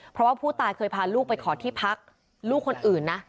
เพราะว่าผู้ตายเคยพาลูกไปขอที่พักลูกคนอื่นนะ